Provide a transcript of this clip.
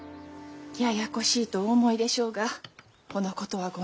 ややこしいとお思いでしょうがこのことはご内密に。